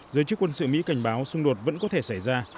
giới chức quân sự mỹ cảnh báo xung đột vẫn có thể xảy ra